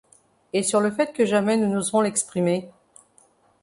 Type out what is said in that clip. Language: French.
Et sur le fait que jamais nous n'oserons l'exprimer.